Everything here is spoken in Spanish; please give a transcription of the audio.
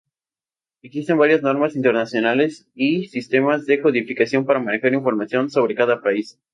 Existen varias normas internacionales y sistemas de codificación para manejar información sobre cada país.